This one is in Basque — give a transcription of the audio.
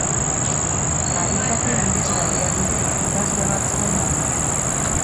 Kalitate miresgarria dute ikasle batzuen lanak.